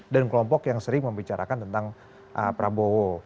dan kelompok yang sering membicarakan tentang prabowo